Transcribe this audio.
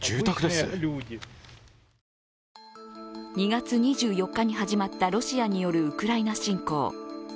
２月２４日に始まったロシアによるウクライナ侵攻。